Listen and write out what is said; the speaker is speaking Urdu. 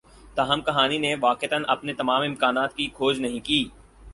تاہم کہانی نے واقعتا اپنے تمام امکانات کی کھوج نہیں کی